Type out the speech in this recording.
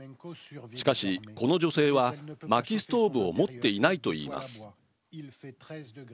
しかし、この女性はまきストーブを持っていないといいます。